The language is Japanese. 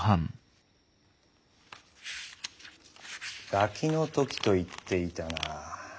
ガキの時と言っていたな。